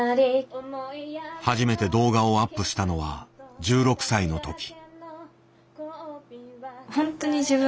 初めて動画をアップしたのは１６歳の時。